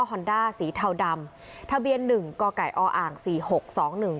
ฮอนด้าสีเทาดำทะเบียนหนึ่งก่อไก่ออ่างสี่หกสองหนึ่ง